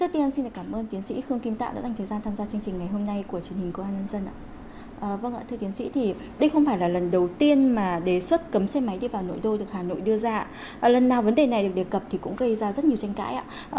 thưa tiến sĩ đây không phải là lần đầu tiên mà đề xuất cấm xe máy đi vào nội đô được hà nội đưa ra lần nào vấn đề này được đề cập thì cũng gây ra rất nhiều tranh cãi